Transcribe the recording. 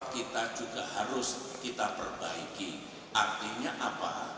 kita juga harus kita perbaiki artinya apa